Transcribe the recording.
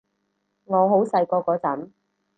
我好細個嗰陣